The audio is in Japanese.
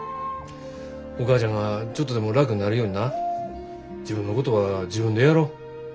お母ちゃんがちょっとでも楽になるようにな自分のことは自分でやろ。